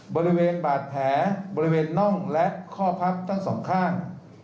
บริเวณบาดแผลบริเวณน่องและข้อพับทั้งสองข้าง